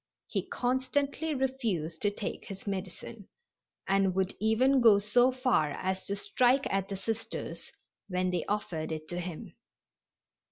He constantly refused to take his medicine, and would even go so far as to strike at the Sisters when they offered it to him.